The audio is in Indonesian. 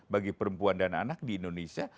bagi perempuan dan anak di indonesia